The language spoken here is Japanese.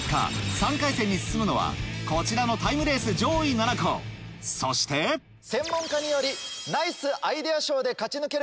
３回戦に進むのはこちらのタイムレース上位７校そして専門家により。